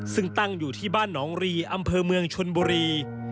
ซึ่งตั้งอยู่ที่บ้านหนองรีอำเภอเมืองชนบุรี